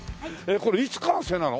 これいつ完成なの？